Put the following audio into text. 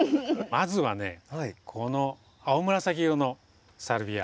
まずはねこの青紫色のサルビア。